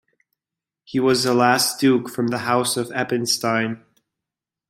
He was the last duke from the House of Eppenstein.